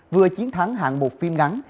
vừa chiến thắng hạng một phim ngắn